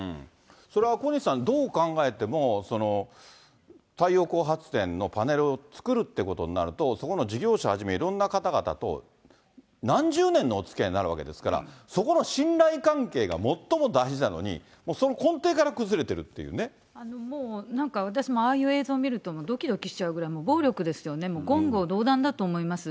それは小西さん、どう考えても、太陽光発電のパネルを作るってことになると、そこの事業者はじめ、いろんな方々と何十年のおつきあいになるわけですから、そこの信頼関係が最も大事なのに、もうなんか、私もああいう映像見ると、どきどきしちゃうぐらい、暴力ですよね、言語道断だと思います。